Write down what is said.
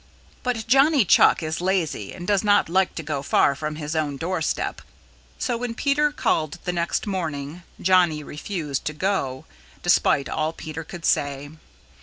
But Johnny Chuck is lazy and does not like to go far from his own doorstep, so when Peter called the next morning Johnny refused to go, despite all Peter could say.